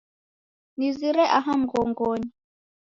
Nizire aha mghongonyi